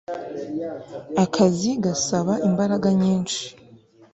Akazi gasaba imbaraga nyinshi